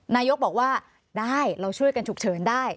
นายกบอกว่าได้เราช่วยกันฉุกเฉินได้